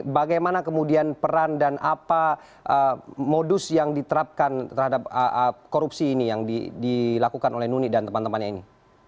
bagaimana kemudian peran dan apa modus yang diterapkan terhadap korupsi ini yang dilakukan oleh nuni dan teman temannya ini